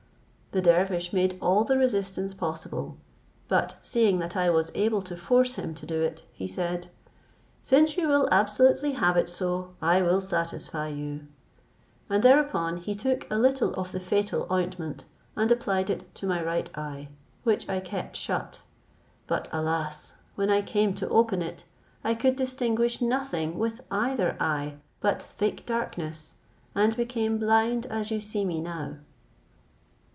The dervish made all the resistance possible, but seeing that I was able to force him to do it, he said, "Since you will absolutely have it so, I will satisfy you;" and thereupon he took a little of the fatal ointment, and applied it to my right eye, which I kept shut; but alas! when I came to open it, I could distinguish nothing with either eye but thick darkness, and became blind as you see me now.